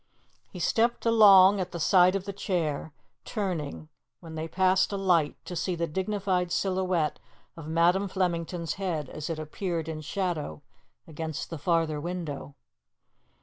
He stepped along at the side of the chair, turning, when they passed a light, to see the dignified silhouette of Madam Flemington's head as it appeared in shadow against the farther window.